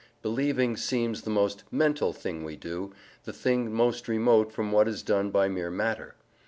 Believing seems the most "mental" thing we do, the thing most remote from what is done by mere matter.